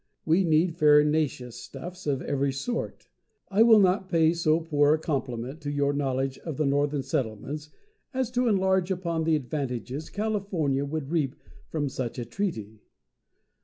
We need farinaceous stuffs of every sort. I will not pay so poor a compliment to your knowledge of the northern settlements as to enlarge upon the advantages California would reap from such a treaty."